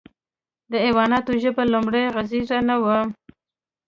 د حیواناتو ژبه لومړۍ غږیزه نه وه.